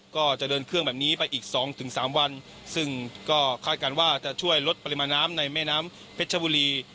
ก็จะเดินเครื่องแบบนี้ไปอีกสองถึงสามวันซึ่งก็คาดการณ์ว่าจะช่วยลดปริมาณน้ำในแม่น้ำเพชรชบุรี